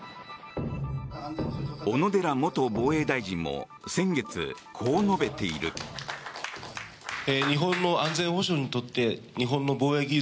小野寺元防衛大臣も先月こう述べている。男性）